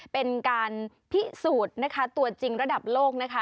เป็นการพิสูจน์นะคะตัวจริงระดับโลกนะคะ